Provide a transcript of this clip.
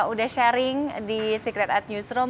udah sharing di secret at newsroom